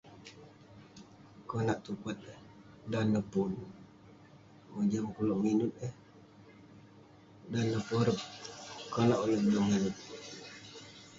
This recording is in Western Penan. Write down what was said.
Konak tupat, dan neh pun, mojam kek ulouk minut eh. Dan neh porep, konak ulouk [unintelligible] minut.